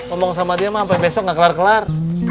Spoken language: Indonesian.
ngomong sama dia mah sampai besok gak kelar kelar